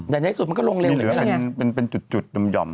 แต่ในสุดมันก็ลงเร็วเหลือแต่เป็นจุดหย่อม